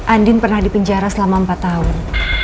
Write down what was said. andin pernah dipenjara selama empat tahun